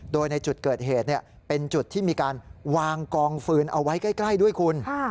โดยในจุดเกิดเหตุเป็นจุดที่มีการวางกองฟืนเอาไว้ใกล้ด้วยคุณ